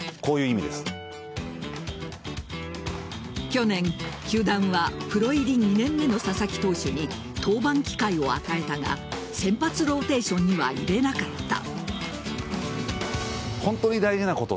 去年、球団はプロ入り２年目の佐々木投手に登板機会を与えたが先発ローテーションには入れなかった。